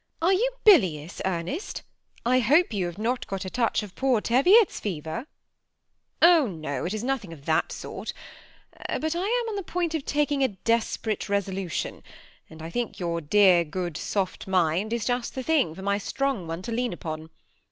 Are you bilious, Ernest ? I hope you have not got a touch of poor Teviot's fever." ^' Oh no, it is nothing of that sort, but I am on the point of taking a desperate resolution, and I think your dear good soft mind is just the thing for my strong one to lean upon.